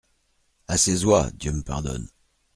À ses oies, Dieu me pardonne !